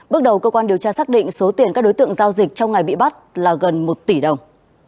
bước đầu cơ quan điều tra xác định số tiền các đối tượng giao dịch trong ngày bị bắt là gần một tỷ đồng